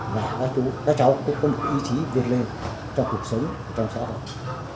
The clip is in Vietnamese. và các cháu cũng có một ý chí việt lên cho cuộc sống trong xã hội